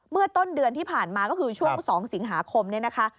เมื่อต้นเดือนที่ผ่านมาก็คือช่วง๒สิงหาคมเนี่ยนะคะ